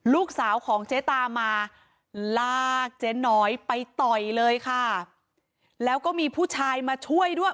ลูกสาวของเจ๊ตามาลากเจ๊น้อยไปต่อยเลยค่ะแล้วก็มีผู้ชายมาช่วยด้วย